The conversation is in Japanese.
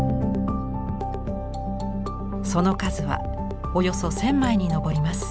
その数はおよそ１０００枚に上ります。